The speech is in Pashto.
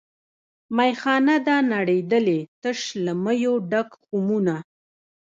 میخانه ده نړېدلې تش له میو ډک خُمونه